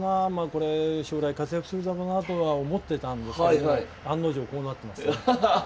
これ将来活躍するだろうなとは思ってたんですけど案の定こうなってますね。